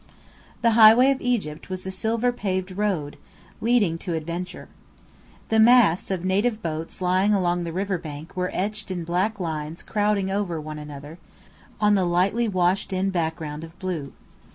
"The Highway of Egypt" was a silver paved road, leading to adventure. The masts of native boats lying along the river bank were etched in black lines crowding one over another, on the lightly washed in background of blue.